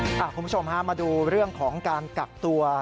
คุณผู้ชมฮะมาดูเรื่องของการกักตัว